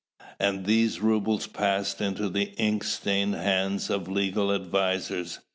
And these rubles passed into the ink stained hands of legal advisers.